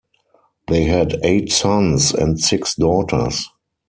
They had eight sons and six daughters.